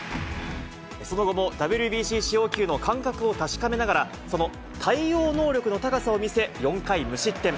その後もＷＢＣ使用球の感覚を確かめながら、その対応能力の高さを見せ、４回無失点。